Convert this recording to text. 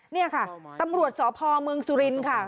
นี่ค่ะตำรวจสพเมืองสุรินทร์ค่ะ